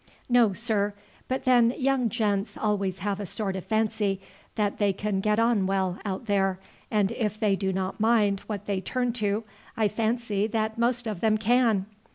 "No, sir; but then young gents always have a sort of fancy that they can get on well out there, and if they do not mind what they turn to I fancy that most of them can.